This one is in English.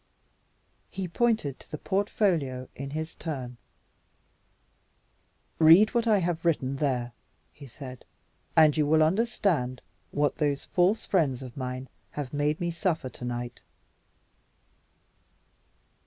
He pointed to the portfolio in his turn. "Read what I have written there," he said; "and you will understand what those false friends of mine have made me suffer to night."